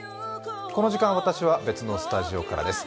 この時間、私は別のスタジオからです。